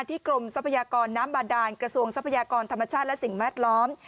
กรมทรัพยากรน้ำบาดานกระทรวงทรัพยากรธรรมชาติและสิ่งแวดล้อม